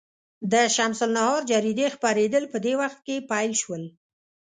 د شمس النهار جریدې خپرېدل په دې وخت کې پیل شول.